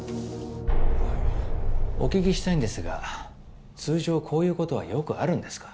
お聞きしたいんですが通常こういうことはよくあるんですか？